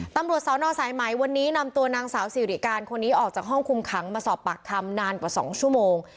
ตำรวจสอนอสายไหมวันนี้นำตัวนางสาวสิริการคนนี้ออกจากห้องคุมขังมาสอบปากคำนานกว่า๒ชั่วโมง